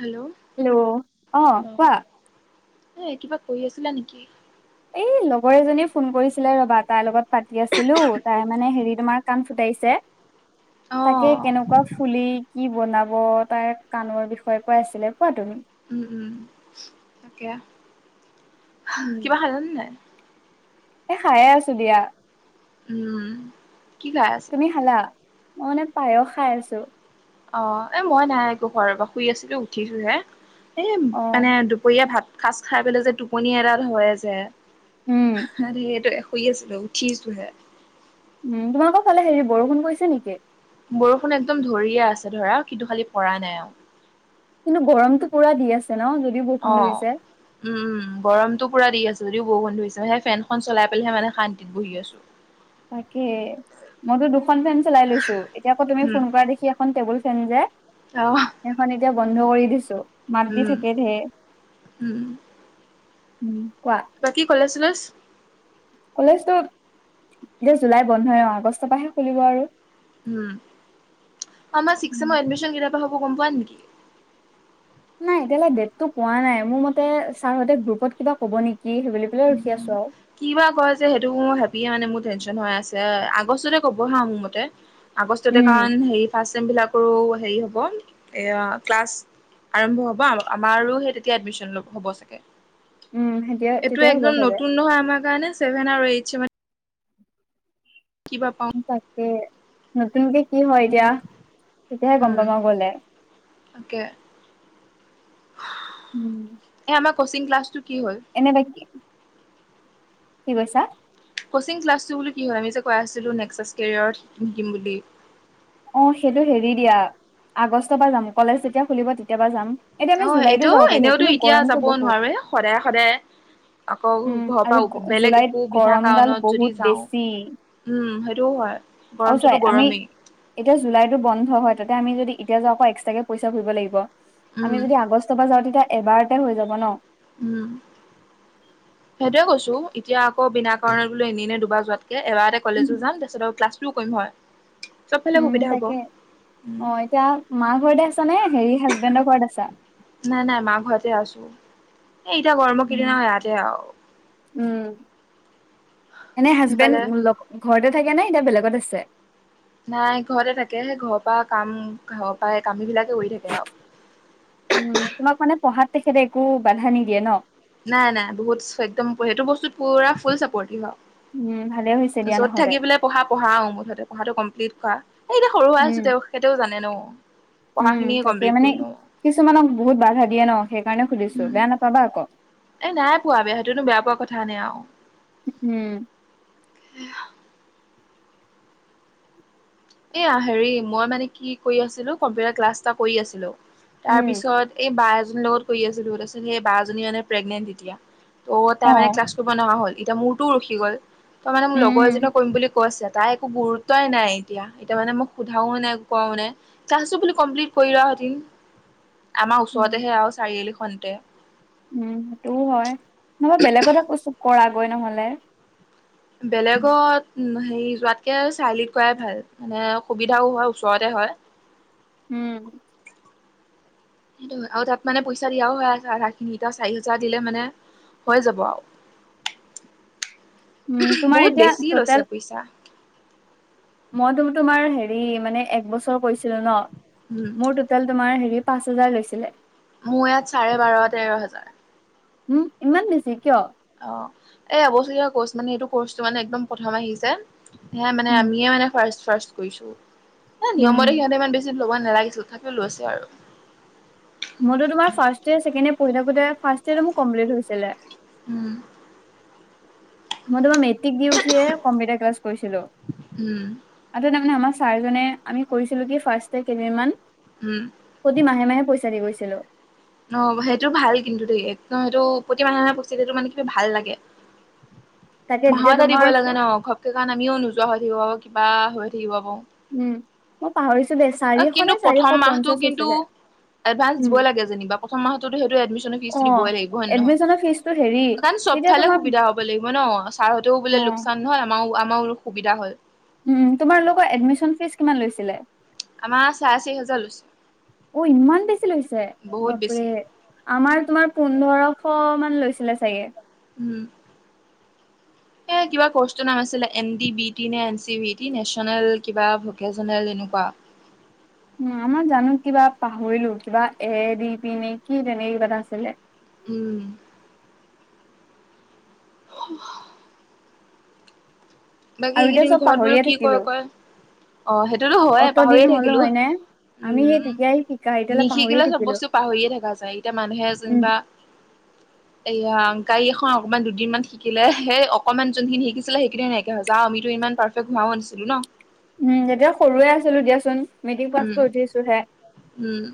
Hello? Hello অ' কোৱা। এ কিবা কৰি আছিলা নেকি? এই লগৰ এজনীয়ে ফোন কৰিছিলে ৰবা তাইৰ লগত পাতি আছিলো তাই মানে হেৰি তোমাৰ কাণ ফুটাইছে। অ' তাকে কেনেকুৱা ফুলি কি বনাব তাৰ কাণৰ বিষয়ে কৈ আছিলে কোৱা তুমি। উম, উম তাকে উম কিবা সাধান নাই? এ খায়ে আছো দিয়া। উম, কি খাই আছা? তুমি খালা মই মানে পায়স খাই আছো। অ' এ মই নাই একো ঘৰ পৰা শুই আছিলো উঠিছো হে এ অ মানে দুপৰীয়া ভাত কাজ খাই পেলাই যে টোপনি এডাল হয় যে উম সেইটো শুই আছিলো উঠিছো হে। উম, তোমাৰোকৰ ফালে হেৰি বৰষুণ কৈছে নেকি? বৰষুণ একদম ধৰিয়ে আছে ধৰা কিন্তু খালি পৰা নাই আৰু। কিন্তু গৰমতটো পুৰা দি আছে ন। যদিও বৰষুণ অ'। ধৰিছে উম, উম, গৰমতো পুৰা দি আছে যদিও বৰুন্ধু হৈছে মে সেই ফেন চলাই পেলাইহে মানে শান্তিত বহি আছো। [unintelligible] তাকে মইতো দুখন ফেন চলাই লৈছো এতিয়া আকৌ তুমি উম, ফোন কৰা দেখি আ এখন টেবুল ফেন যে অ' সেইখন এতিয়া বন্ধ কৰি দিছো মাত দি উম, থাকে ধেৰ। উম। উম, কোৱা। বাকী কলেজ কলেজ। কলেজটো এতিয়া জুলাই বন্ধ হয় অ, আগষ্টৰ পৰাহে খুলিব আৰু। উম, আমাৰ চিক্স উম চেমৰ এডমিশন কেইাৰ পৰা হ'ব গম পোৱা নেকি। নাই এতিয়াললে ডেটটো কোৱা নাই মোৰ মতে ছাৰ সতে গ্ৰুপত কিবা ক'ব নেকি সেই বো ফালে, উঠি আছো আৰু। কি বা কয় যে সেইটো হেপিয়ে মানে মোৰ টেনচন হৈ আছে আগষ্টতে ক'ব হা মোৰ মতে। আগষ্টতে উম কাৰ ফ্চ চেমভিলাকৰো হেৰি হ'ব এ ক্লাছ। আৰম্ভ হ'ব আম আমাৰোহে তেতিয়া এডমিশ্যন ল হ'ব চাগে। উম, তেতিয়া এইটো তেতিয়াই হ'ব একদম চাগে নতুন নহয় আমাৰ কাৰণে চছেভেন আৰু এইট চেম কিবা পাওঁ। তাকে নতুনকে কি হয়, এতিয়া তেতিয়াহে গম উম পামা গ'লে। তাকে উম এ, আমাক। ক'চিং ক্লাছটো কি হ'ল। এনে বাকী, কি কৈছা। ক'চিং ক্লাছটো বুলি কি হয় আমি যে কৈ আছিলো নে্সাছ কেৰিয়াৰত শিকিম শিকিম বুলি। অ, সেইটো হেৰি দিয়া আগষ্টৰ পৰা যাম কলেজ যেতিয়া খুলিব তেতিয় পৰা যাম। এতিয়া আমি অ, জুলাইতো এইটো যাব পাৰিলো হয় এনেওতো কিন্তু এতিয়া গৰমটো যাবও বহুত নোৱাৰো সদায় সদায়। আকৌ উম ঘৰৰ আৰু পৰা গ- বেলেগ জুলাইত একো বিনা গৰমডাল কাৰণত যদি বহুত যাওঁ। বেছি উম, সেইটো‌ হয়। আৰু গৰমটোতো চাই আমি গৰমেই এতিয়া জুলাইটো বন্ধ হয় তাতে আমি যদি এতিয়া যাওঁ আকৌ এক্সট্ৰাকে পইচা ঘুৰিব লাগিব। উম আমি যদি আগষ্টৰ পৰা যাওঁ তেতিয়া এবাৰতে হৈ যাব ন। উম, সেইটয়েছো এতিয়াকৌ বিনা কাৰণ বোলো এনে দুবাৰ যোৱাতকে এবাৰ এটা কলেজো যাম তাৰপছত আৰু ক্লাছটোও কৰিম হয়। [unintelligible] উম, সুবিধা হ'ব তাকে উম অ, এতিয়া মাৰ ঘৰতে আছা নে হেৰি হাজবেণ্ডৰ ঘৰত আছা। নাই নাই মা ঘৰতে আছো এ এতিয়া গৰমৰ কেইদিনা হয় ইয়াতে আৰু। উম, এনে হাজবেণ্ড সেইফালে লগ ঘৰতে থাকে নাই এতিয়া বেলেগত আছে। নাই ঘৰতে থাকে স ঘৰৰ পৰা কাম ঘৰৰ পৰা কাম বিলাকে কৰি থাকে আৰু। উ, তোমাক মানে পঢ়াত তেখেতে একো বাধা নিদিয়ে ন। নাই নাই বহুত একদম সেইটো বস্তুত পুৰা ফুল চাপৰ্টিভ হয়। উম ভালে হৈছে দিয়া য'ত নহলে থাকি বুলে পঢ়া পঢ়া আৰু মুঠতে পঢ়াটো কমপ্লিট কৰা। এই এতিয়া সৰু হৈ আছো উম তেওঁ সেইটো জানে ন। পঢ়া উম, খিনিয়ে তাকে কমপ্লিট মানে কৰি লওঁ। কিছুমানক বহুত বাধা দিয়ে ন সেইকাৰণে সুধিছো বেয়া নাপাবা আকৌ। এ নাই পোৱা বেয়া সেইটোনো বেয়া পোৱা কথা নাই আৰু। উম, [unintelligible] এয়া হেৰি মই মানে কি কৰি আছিলো কম্পিউটাৰ ক্লাছ এটা কৰি আছিলো। তাৰ উম, পিছত এই বা এজনীৰ লগত কৰি আছিলোত আ সেই বা এজনী মানে প্ৰেগনেন্ট এতিয়া। ত' তাই মানে অ', ক্লাছ কৰিব নোৱাৰা হ'ল এতিয়া মূটোও ৰখি গ'ল তই মানে মোক উম, লগৰ এজনক কৰিম বুলি কৈ আছে। তাই একো গুৰুত্বই নাই। এতিয়া এতিয়া মানে মই সোধাও নাই কও নাই চ্ইচো বোলো কমপ্লিট কৰি লোৱা হতি আমাৰ উম, ওচৰতেহে আৰু চাৰিআলি খনতে। উম, সেইটোও হয় নহ'বা বেলেগতে ক কৰাগৈ নহ'লে। বেলেগত হেৰি যোৱাতকে চাৰিআলিত কৰাোৱাই ভাল। মানে সুবিধাও হয় ওচৰতে হয়। উম, সেইটো আৰু তাত মানে পইচা দিয়াও হয় আছে আধা খিনি এতিয়া চাৰি হোজাৰ দিলে মানে হৈ যাব আৰু। উম, তোমাৰ বহুত এতিয়া বেছি লৈছে পইচা। মই তোম, তোমাৰ হেৰি মানে একবছৰ কৈছিলো ন উম মোৰ তোমাৰ হেৰি পাঁচ হাজাৰ লৈছিলে। মোৰ ইয়াত চাৰে বাৰ, তেৰ হাজাৰ। উম, ইমান বেছি কিয়? অ, এই আৱচৰীয়া কৰ্চ মানে এইটো কৰ্চটো মানে একদম প্ৰথম আহি যে সে মানে উম, আমিয়ে মানে ফাৰ, ফাৰ কৰিছো উম, নিয়মতে সিহতে ইমান বেছি। ল'ব নালাগিছিল তাকো লৈছে আৰু। মইটো তোমাৰ ফাৰ্ষ্টইয়াৰ, ছেকেণ্ডয়ৰ পঢ় থাকোতো ফাৰ্ষ্টইয়াৰতে ম কম্লিট হৈছে। উম। মই তোমাৰ মেট্ৰিক দি উঠিয়ে কম্পিউটাৰ ক্লাছ কৰিছিলো। উম। আ, তাৰমানে আমাৰ ছাৰজনে আমি কৰিছিলো কি ফাৰ্ষ কেইদিনমান। উম। প্ৰতি মাহে, মাহে পইচা দি গৈছিলো। ন, সেইটো ভাল কিন্তু দ, একদম সেইটো প্ৰতি মানে মহে প্ৰস্ততি সেইটো মানে কিবা ভাল লাগে। তাকে তেতিয়া মাহতা দি'ব তোমাৰ লাগে ন। সেই কাৰণে আমিও নোযোৱা হৈ থাকিব পাৰো কিবা হৈ থাকিব পাৰো। উম, মই পাহৰিছো দে অ চাৰিশ নে চাৰিশ, পঞ্চাশ আছিলে। এডভানঞ্চ দিব উম, লাগে যেনিবা প্ৰথ মাহতো সেইটো এডিচনৰ ফজ দই লাগিব হয়, ন। এডমিচনৰ ফিজ টো হেৰি কাৰণ চব তেতিয়া ফালে তোমাৰ সুবিধা হব লাগিব ন চাৰতেও বোলে অ', লোকচান নহয়। আমাৰও, আমাৰ সুবিধা হয়। উম, তোমাৰ লগোকৰ এডমিশন ফিজ কিমান লৈছিলে? আমাৰ চাৰে চাৰি হাজাৰ লৈছে অ, ইমান বেছি লৈছে বহুত বাপৰে। বেছি আমাৰ তোমাৰ পোন্ধৰশ মান লৈছিলে চাগে। উম। এ, কিবা কৰ্চৰ নাম আছিলে এন ডি বি টি নে N C B T national কিবা ভকেচনেল এনেকুৱা আমাৰ জানো কিবা পাহৰিলো কিবা এ দি পি নে কি তেনেকে কিবা এটা আছিলে। উম। অ'। বাকী আৰু এতিয়া এইকেইদিন চব ঘৰত বাৰ পাহৰিয়ে কি থাকিলো কৰে কয় অ, সেইটোতো হয় অত দিন পাহৰিয়ে হ'ল থাকিলো। হয়নে? আমি সেই উম, তেতিয়াই শিকা এতিয়ালে পাহৰিয়ে নিশিকিলে চব থাকিলো বস্তু পাহৰিয়ে থকা যায় এতিয়া মানুহে উম, যেনিবা [unintelligible] এয়া গাড়ী এখন অকমান দুদিনমান শিকিলে সেই অকনমান যোনখিনি শিকিছিলে সেইখিনি ন আমিতো ইমান পাৰফেক্ট হোৱা নাছিলো ন। উম, তেতিয়া সৰুয়ে আছিলো দিয়াচোন মেট্ৰিক পাছ উম কৰি উঠিছো হে। উম।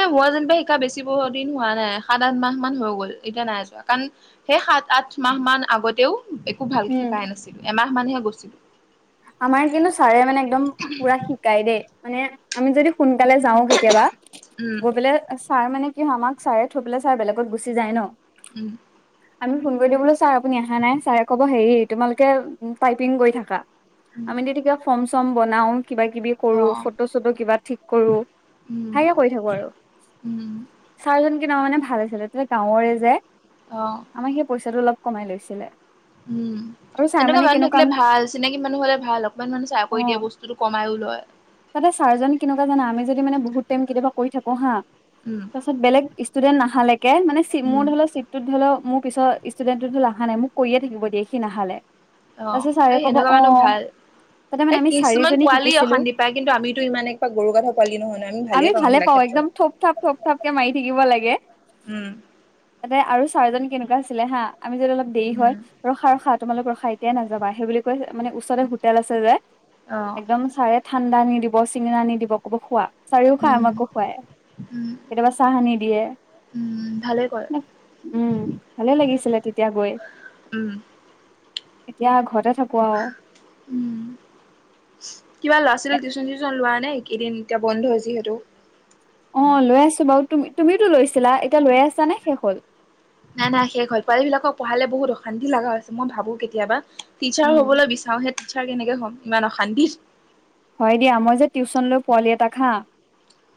এ, হোৱা যেনিবা শিকা বেছি দিন হোৱা নাই সাত, আঠ মাহ মান হৈ গ'ল এতিয়া নাই আছোৱা কাৰণ সেই সাত, আঠ মাহ মান আগতেও একো ভালকে উম, শিকাই নাছিলো এমাহ মানহে গৈছিলো। আমাৰ কিন্তু ছাৰে মানে একদম পুৰা শ গাই দেই মানে আমি যদি সোনকালে যাও কেতিয়াবা উম গৈ পেলাই ছাৰ মানে কি হয় আমাক ছাৰে থৈ পেলাই ছাৰ বেলেগত গুচি যায় ন। উম। আমি ফোন কৰি দিও বোলো ছাৰ আপুনি অহা নাই। ছাৰে ক'ব হেৰি তোমালোকে টাইপিং কৰি থাকা। উম আমি তেতিয়া কিবা ফৰ্ম, চম বনাও কিবা, কিবি অ কৰো ফটো, চটো কিবা ঠিক কৰো উম হেয়াকে কৰি থাকো আৰু। উম ছাৰজন কিন্তু মানে ভাল আছিলে তাতে গাঁৱৰে যে। অ'। আমাৰ সেই পইচাটো অলপ কমাই লৈছিলে। উম, আৰু ছাৰ এনেকুৱা মানে মানুহ কেনেকুৱা থাকিলে আমি ভাল। চিনাকি মানুহ হ'লে ভাল, অকমান মানুহ চাই কৰি দিয়ে, বস্তুটো কমায়ো লয়। তহঁতৰ ছাৰজন কেনেকুৱা জানা আমি যদি মানে বহুত টাইম কেতিয়াবা কৰি থাকোঁ হা উম তাৰপাছত বেলেগ ষ্টুডেন্ট নাহালৈকে মানে চি উম মোৰ ধৰি ল চিট তোৰ ধৰি ল মোৰ পিছত ষ্টুডেণ্টত ধৰি ল অহা নাই মোক কৰিয়ে থাকিব দিয়ে সি নাহালে। অ' তাৰপিছত ছাৰে এ, ক'ব এনেকুৱা অ মানহ ভাল। তাতে এ, মানে আমি কিছুমান চাৰিজনী পোৱালি শিকিছিলো অশান্তি পায় কিন্তু আমিতো ইমান একেবাই গৰু গাধ পোৱালি নহয় নহয়, আমি ভালে পাওঁ এইবিলাক। অ' ক্ষেত্ৰত একদম থপ ঠাপ থপ ঠাপকে মাৰি থাকিব লাগে। উম। তাতে আৰু চাৰজন কেনেকুৱা আছিলে হা, আমি যদি অলপ দেৰি হয় উম ৰখা ৰখা তোমালোক ৰখা এতিয়া নাযাবা সেই বুলি কৈ মানে ওচৰে হোটেল আছে যে অ'। একদম চাৰে ঠাণ্ডা আনি দিব, চিঙৰা আনি দিব ক'ব খোৱা। ছাৰে ও খাই উম আমাকো খুৱাই। উম কেতিয়াবা চাহ আনি দিয়ে। উম ভালে কৰে উম, ভালে লাগিছিলে তেতিয়া গৈ। উম এতিয়া ঘৰতে থাকোঁ আৰু। উম। কিবা ল'ৰা ছোৱালীৰ টিউচন চিউচন লোৱা নে কেইদিন এতিয়া বন্ধ যিহেতু। অ' লৈ আছোঁ বাৰু। তু-তুমিওতো লৈছিলা এতিয়া লৈ আছা নে শেষ হ'ল? নাই নাই শেষ হ'ল। পোৱালীবিলাকক পঢ়ালে বহুত অশান্তি লগা হৈছে, মই ভাবোঁ কেতিয়াবা টিচাৰ উম হ'বলৈ বিচ আওঁ হে টিচাৰ কেনেকে হ'ম ইমান অশান্তিত। হয় দিয়া, মই যে টিউচন লৈ পোৱালি এটাক হা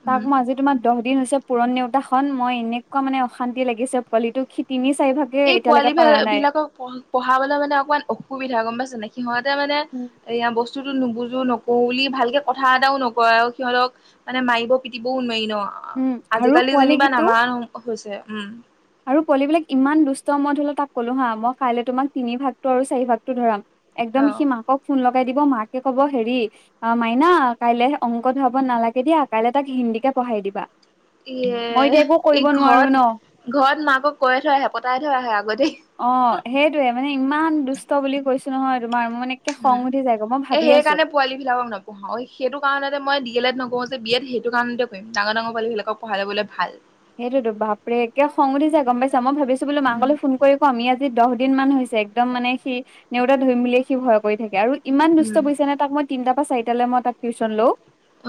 তাক উম মই আজি তোমাৰ দহদিন হৈছে পুৰণ নেওতাখন, মই এনেকুৱা মানে অশান্তি লাগিছে পোৱালিটো সি তিনি চাৰিভাগ এই পোৱালিবি-বিলাকক পঢ়াবলৈ মানে অকমান অসুবিধা গম পাইছ নে সিহঁতে মানে এয়া বস্তুটো নুবুজো নকও বুলি ভালকে কথা এটাও নকয় আৰু সিহঁতক মানে মাৰিব পিটিবও নোৱাৰি ন' উম আৰু আজিকালি যেনিবা পোৱালিকিটো নামাৰা হৈছে, উম। আৰু পোৱালিবিলাক ইমান দুষ্ট মই ধৰিল তাক ক'লো হা মই কাইলৈ তোমাক তিনি ভাগটো আৰু চাৰি ভাগটো ধৰাম অ একদম সি মাকক ফোন লগাই দিব মাকে ক'ব হেৰি আ, মাইনা কাইলে অংক ধৰাব নালাগে দিয়া, কাইলে তাক হিন্দীকে পঢ়াই দিবা। মই য়ে, এতিয়া একো ই কৰিব নোৱাৰো ন ঘৰত ঘৰত মাকক কৈ থৈ আহে, পতাই থৈ আহে আগতেই। অ' সেইটোৱেই মানে ইমান দুষ্ট বুলি কৈছোঁ নহয় তোমাৰ মোৰ মানে একে খং উঠি যায় গৈ মই ভাবি আছোঁ। পোৱালিবিলাকক নপঢ়াও, সেইটো কাৰণতে মই ডি এল এড নকৰোঁ যে, বি এড সেইটো কাৰণতে কৰিম ডাঙৰ ডাঙৰ পোৱালিবিলাকক পঢ়াই যাবলৈ ভাল। সেইটোতো, বাপৰে একে খং উঠি যায় গম পাইছা, মই ভাবিছো বোলো উম মাকলৈ ফোন কৰি কম, ই আজি দহদিনমান হৈছে একদম মানে সি নেওতা ধৰি বুলিয়ে সি ভয় কৰি থাকে আৰু ইমান দুষ্ট উম বুজিছা নে তাক মই তিনটাৰপৰা চাৰিটালৈ মই তাক টিউচন লওঁ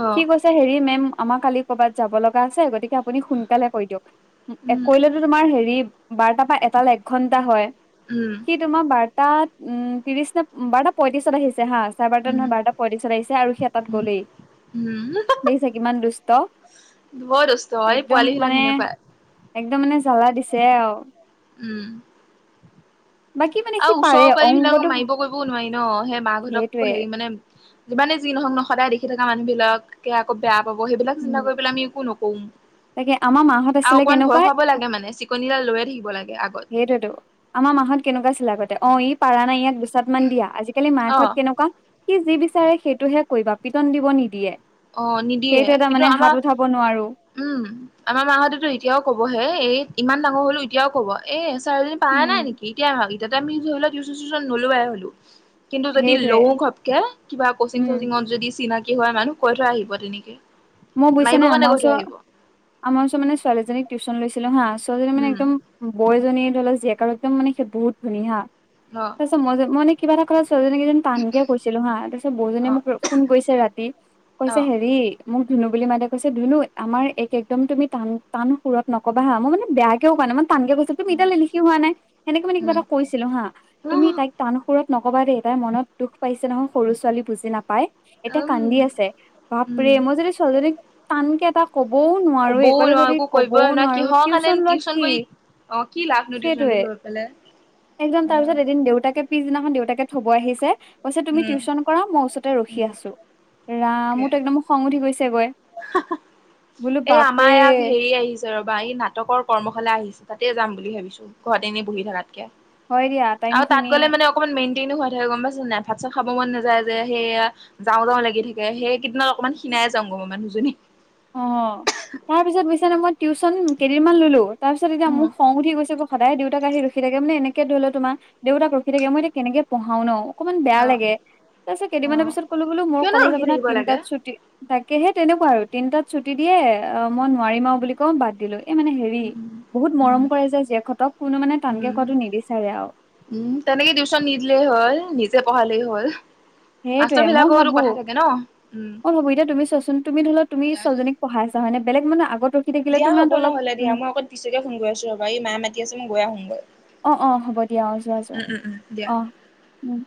অ সি কৈছে হেৰি মেম আমাৰ কালি কৰ'বাত যাব লগা আছে গতিকে আপুনি সোনকালে কৰি দিয়ক। উম কৰিলেতো তোমাৰ হেৰি বাৰটাৰপা এটালৈ এক ঘন্টা হয়। উম। সি তোমাৰ বাৰটা উম, ত্ৰিশ নে বাৰটা পঁয়ত্ৰিশত আহিছে হা চাৰে বাৰটাত উম নহয় বাৰটা পয়ত্ৰিছত আহিছে আৰু সি এটাত গ'লেই। উম, দেখিছা কিমান দুষ্ট। বৰ দুচ একদম মানে একদম মানে জ্বালা দিছে আৰু। উম। বাকী মানে সি আৰু পাৰে ওচৰৰ পাৰীবিলাকক অংকটো মাৰিব কৰিবও নোৱাৰি ন' সেই মাকহঁতক সেইটোৱে হেৰি মানে যিমানে যি নহওক ন' সদায় দেখি থকা মানুহবিলাক কে আকৌ বেয়া পাব সেইবিলাক চিন্তা উম কৰি পেলাই আমি একো নকৰোঁ। তাকে আমাৰ মাহত আৰু আছিলে অকমান ভয় কেনেকুৱা খুৱাব লাগে মানে, চিকনিডাল লৈয়ে থাকিব লাগে আগত। সেইটোয়েতো। আমাৰ মাহত কেনেকুৱা আছিলে আগতে অ' ই পাৰা নাই ইয়াক দুচ চাত মান দিয়া, আজিকালি মাকহঁত অ', কেনেকুৱা সি যি বিচাৰে সেইটোহে কৰিবা পিটন দিব নিদিয়ে। অ', নিদিয়ে সেইটো এটা কিন্তু মানে আমাৰ হাত উঠাব নোৱাৰো। উম আমাৰ মাহঁতেতো এতিয়াও ক'বহে এই ইমান ডাঙৰ হ'লো এতিয়াও ক'ব এ এচাৰি পাৰা উম নাই নেকি এতিয়া ইহ'তে আমি ধৰিল টিউচন চিউচন নলোৱাই হ'লো। কিন্তু যদি সেইটোৱে লওঁ ঘপকে কিবা কচিং উম চচিঙত যদি চিনাকি হয় মানুহ কৈ থৈ আহিব তেনেকে। মই বুজছা মাৰিব নে কাৰণে আমাৰ কৈ থৈ আহিব ওচৰত আমাৰ ওচৰত মে ছোৱালী এজনীক টিউচন লৈছিলো হা', ছোৱালজনী মানে উম একদম বৌজনীৰ ধৰি লওঁক জীয়েক হ'ত একদম মানে সেই বহুত ধুনী হা' অ'। তাৰপিছত মই যে মই কিবা এটা কওঁ ছোৱালীজনী কিজানি টানকে কৈছিলো হা তাৰপিছত অ বৌজনীয়ে মোক ফোন কৰিছে ৰাতি। অ কৈছে অ', হেৰি মোক ধুনু বুলি মাতে, কৈছে ধুনু আমাৰ এইক একদম তুমি টান টান সুৰত নকবা হা'। মই মানে বেয়া কিয় কোৱা নাই, মই টানকৈ কৈছা তুমি এতিয়ালৈ লিখি হোৱা নাই, মানে কিবা উম এটা কৈছিলো হা', উম তুমি তাইক টান সুৰত নকবা দেই তাই মনত দুখ পাইছে নহয় সৰু ছোৱালী বুজি নাপায়। এতিয়া উম কান্দি আছে, বাপৰে' উম মই যদি ছোৱালীজনী টানকে এটা ক'বও নোৱাৰো কবও এই ফালে নোৱাৰো যদি একো কৰিবই ক'বও নোৱাৰো কিহৰ কাৰণে টিউচন লোৱা কি কৰি অ' কি লাভনো টিউশ্যন টো সেইটোৱে লৈ পেলাই। একদম তাৰ পিছত এদিন দেউতাকে পিছদিনাখন দেউতাকে থ'ব আহিছে কৈছে তুমি উম টিউশ্যন কৰা মই ওচতে ৰখি আছো, ৰাম তাকে মোৰতো একদম খং উঠি গৈছেগৈ এই আমাৰ ইয়াত হেৰি আহিছে। ৰ'বা এই নাটকৰ কৰ্মশালা আহিছে তাতে যাম বুলি ভাবিছো, ঘৰতে এনেই বহি থাকাতকে। হয় দিয়া। টাইম আৰু তাত খিনি গ'লে মানে অকণমান মেইনটেইন হ হৈ থাকে গ'ম পাইছ নাই ভাত চাত খাব মন নাযায় যে সেয়া। যাওঁ যাওঁ লাগি থাকে সেইকেদিনত অকমান ক্ষিনাই যাওঁ গ মানুহজনী। অ' তাৰ পিছত বুছ নে মই টিউশ্যন কেইদিন মান ললো, তাৰ পিছত এতিয়া উম মোক খং উঠি গৈছে গ। সদায় দেউতাক আহি ৰখি থকে, মানে এনেকে ধৰি ল তোমাৰ দেউতাক ৰখি থাকে মই এতিয়া কেনেকে পঢ়াওঁ ন। অকনমান বেয়া অ লাগে, তাৰপিছ অ কেইদিনৰ পিছত ক'লো বোলো মোৰ কিয়নো কলেজ ৰখি আপোনাৰ থাকিব লাগে তিনটাত ছুটি তাকেহে তেনেকুৱা আৰু তিনটাত ছুটি দিয়ে মই নোৱাৰিম আৰু বুলি কৈ বাদ দিলো। এই মানে হেৰি উম বহুত উম মৰম কৰে যে জীয়েকহঁতক কোনো মানে টানকে উম কাৱাটো নিবিচাৰে আৰু। উম তেনেকে টিউশ্যন নিদিলেই হ'ল নিজে পঢ়ালেই হ'ল। মাষ্টৰ সেইটয়ে মই বিলাকৰোতো ভাবো কথা থাকে ন উম মই ভাবো, এতিয়া তুমি চোৱাচোন তুমি ধৰি লোৱা তুমি ছোৱালীজনী পঢ়াইছা হয় নে? বেলেগ মানুহে আগতো দিয়া হ'ব নহ'লে দিয়াই অকৌ পিছতকে ফোন কৰি আছো ৰ'বা, এই মা মাতি আছে মই গৈ আহোগৈ। অ অ হ'ব দিয়া অ' যোৱা যোৱা উম উম উম দিয়া অ'। উম।